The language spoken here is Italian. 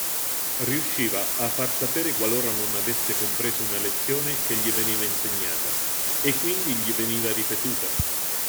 Riusciva a far sapere qualora non avesse compreso una lezione che gli veniva insegnata, e quindi gli veniva ripetuta.